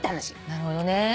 なるほどね。